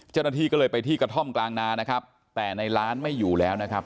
เจ้าหน้าที่ก็เลยไปที่กระท่อมกลางนานะครับแต่ในร้านไม่อยู่แล้วนะครับ